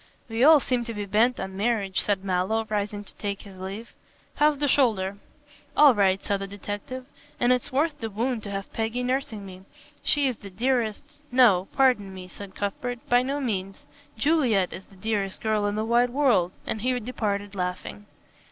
"We all seem to be bent on marriage," said Mallow, rising to take his leave. "How's the shoulder?" "All right," said the detective, "and it's worth the wound to have Peggy nursing me. She is the dearest " "No, pardon me," said Cuthbert, "by no means. Juliet is the dearest girl in the wide world," and he departed laughing.